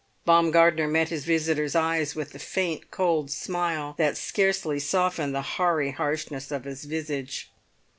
Baumgartner met his visitor's eyes with the faint cold smile that scarcely softened the hoary harshness of his visage.